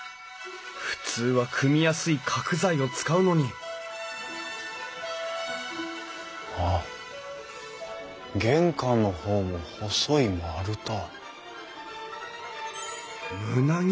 普通は組みやすい角材を使うのにあっ玄関の方も細い丸太。